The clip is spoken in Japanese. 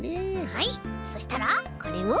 はいそしたらこれを。